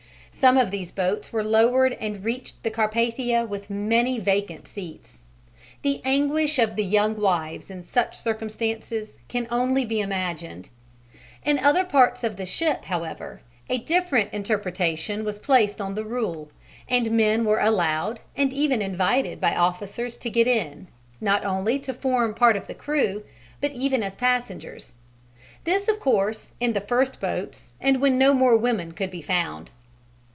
Some of these boats were lowered and reached the Carpathia with many vacant seats. The anguish of the young wives in such circumstances can only be imagined. In other parts of the ship, however, a different interpretation was placed on the rule, and men were allowed and even invited by officers to get in not only to form part of the crew, but even as passengers. This, of course, in the first boats and when no more women could be found.